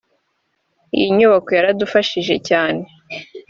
Iyi nyubako yaradufashije cyane